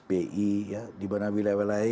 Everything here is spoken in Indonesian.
bi ya di mana wilayah wilayah